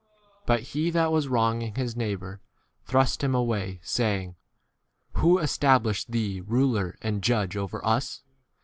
But he that was wrong ing his neighbour thrust him away, saying, Who established thee ruler !' s and judge over us